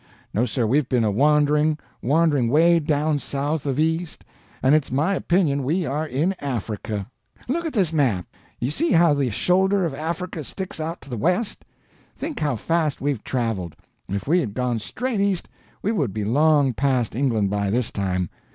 No, sir, we've been a wandering—wandering 'way down south of east, and it's my opinion we are in Africa. Look at this map. You see how the shoulder of Africa sticks out to the west. Think how fast we've traveled; if we had gone straight east we would be long past England by this time.